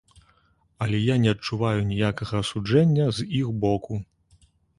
Але я не адчуваю ніякага асуджэння з іх боку.